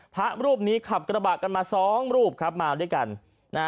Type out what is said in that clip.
พระรูปนี้ขับกระบะกันมา๒รูปมาด้วยกัน